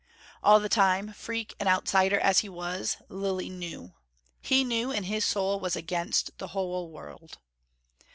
All the time, freak and outsider as he was, Lilly knew. He knew, and his soul was against the whole world.